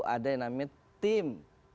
ada yang namanya tim